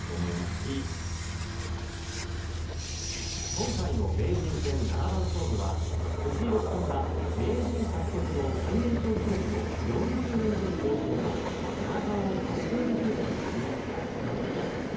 今回の名人戦七番勝負は藤井六冠が名人獲得の最年少記録の４０年ぶり更新と七冠を達成できるかに注目が集まっています。